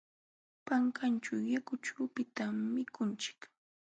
Pankanćhu yakuchupitam mikunchik.